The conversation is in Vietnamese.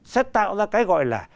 sẽ tạo ra cái gọi là